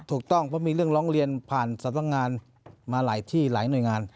ถูกต้องเพราะมีเรื่องร้องเรียนผ่านสำนักงานมาหลายที่หลายหน่วยงาน